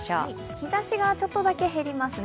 日差しがちょっとだけ減りますね。